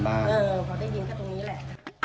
เออพอได้ยินก็ตรงนี้แหละ